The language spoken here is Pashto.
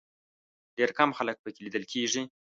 ډېر کم خلک په کې لیدل کېږي.